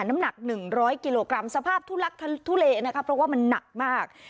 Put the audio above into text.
น้ำหนัก๑๐๐กิโลกรัมสภาพทุลักทุเลนะคะเพราะว่ามันหนักมาก